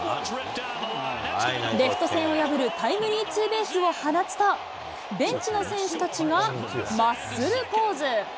レフト線を破るタイムリーツーベースを放つと、ベンチの選手たちがマッスルポーズ。